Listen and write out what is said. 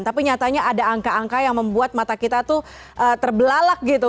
tapi nyatanya ada angka angka yang membuat mata kita tuh terbelalak gitu